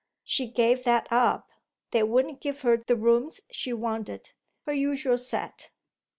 "She gave that up; they wouldn't give her the rooms she wanted, her usual set."